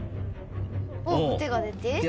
おっ手が出て。